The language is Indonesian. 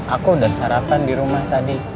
aku udah sarapan di rumah tadi